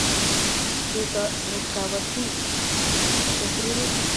Ketoret kapatik kutes rurutik